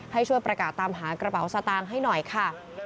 ให้ช่วยประกาศตามหากระเป๋าสตางค์ให้หน่อยค่ะ